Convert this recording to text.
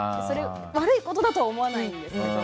悪いことだとは思わないんですけど。